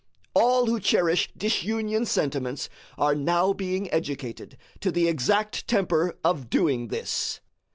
All who cherish disunion sentiments are now being educated to the exact temper of doing this.